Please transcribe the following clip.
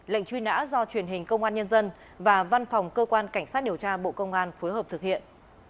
lệnh truy nã do truyền hình công an nhân dân và văn phòng cơ quan cảnh sát điều tra bộ công an phối hợp thực hiện